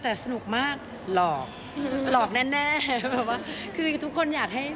แต่สนุกมากหลอกหลอกแน่แล้วแบบว่าคือทุกคนอยากให้